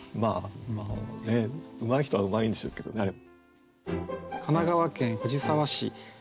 まあうまい人はうまいんでしょうけどねあれ。